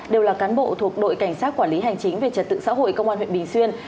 đều là cán bộ thuộc đội cảnh sát quản lý hành chính về trật tự xã hội công an huyện bình xuyên